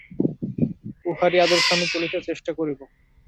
উহারই আদর্শে আমি চলিতে চেষ্টা করিব।